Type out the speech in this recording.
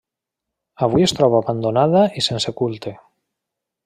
Avui es troba abandonada i sense culte.